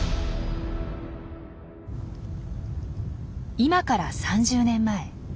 今から３０年前。